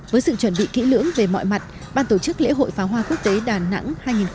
với sự chuẩn bị kỹ lưỡng về mọi mặt ban tổ chức lễ hội phá hoa quốc tế đà nẵng hai nghìn một mươi chín